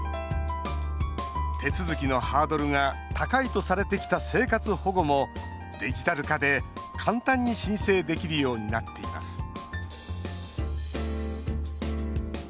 手続きのハードルが高いとされてきた生活保護もデジタル化で簡単に申請できるようになっています